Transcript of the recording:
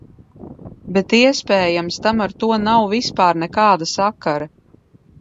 Bet iespējams tam ar to nav vispār nekāda sakara.